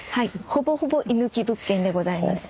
ほぼほぼ居抜き物件でございます。